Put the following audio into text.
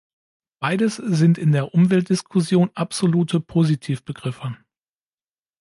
Beides sind in der Umweltdiskussion absolute Positiv-Begriffe.